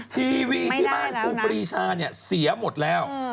ทีวีที่บ้านครูปีชาเสียหมดแล้ว